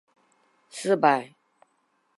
具体操作时要在车厢内加座位号标识。